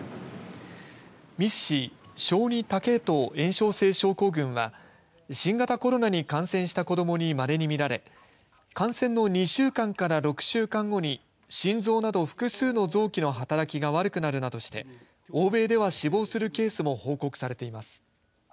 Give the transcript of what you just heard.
小児多系統炎症性症候群は新型コロナに感染した子どもにまれに見られ感染の２週間から６週間後に心臓など複数の臓器の働きが悪くなるなどして欧米では死亡するケースも報告されています。